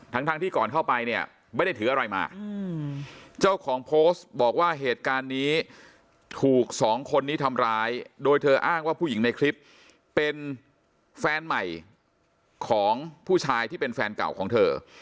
ทั้งทั้งที่ก่อนเข้าไปเนี่ยไม่ได้ถืออะไรมาเจ้าของโพสต์บอกว่าเหตุการณ์นี้ถูกสองคนนี้ทำร้ายโดยเธออ้างว่าผู้หญิงในคลิปเป็นแฟนใหม่ของผู้ชายที่เป็นแฟนเก่าของเธอ